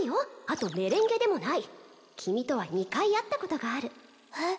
あとメレンゲでもない君とは２回会ったことがあるえっ？